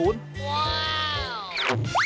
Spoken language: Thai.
ว้าว